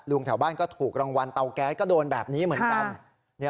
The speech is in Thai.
แถวบ้านก็ถูกรางวัลเตาแก๊สก็โดนแบบนี้เหมือนกัน